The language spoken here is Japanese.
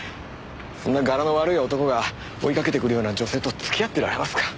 そんな柄の悪い男が追いかけてくるような女性と付き合ってられますか。